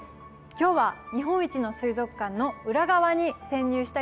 今日は日本一の水族館の裏側に潜入したいと思います。